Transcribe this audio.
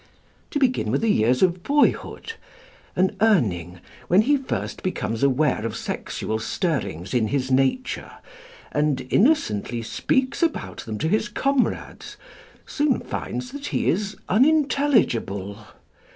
"To begin with the years of boyhood: an Urning, when he first becomes aware of sexual stirrings in his nature, and innocently speaks about them to his comrades, soon finds that he is unintelligible.